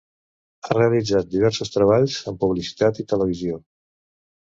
Ha realitzat diversos treballs en publicitat i televisió.